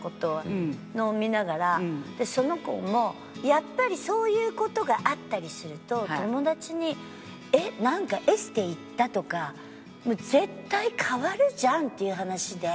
その子もやっぱりそういう事があったりすると友達に「えっなんかエステ行った？」とか。絶対変わるじゃんっていう話で。